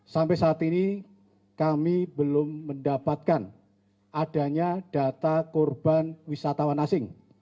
sampai saat ini kami belum mendapatkan adanya data korban wisatawan asing